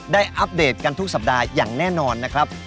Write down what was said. อัปเดตกันทุกสัปดาห์อย่างแน่นอนนะครับ